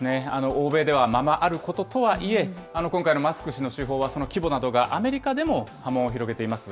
欧米ではままあることとはいえ、今回のマスク氏の手法は、その規模などがアメリカでも波紋を広げています。